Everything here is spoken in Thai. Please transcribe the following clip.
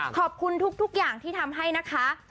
ขอบคุณทุกอย่างที่ทำให้นะคะ